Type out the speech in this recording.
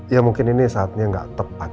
ya mungkin ini saatnya nggak tepat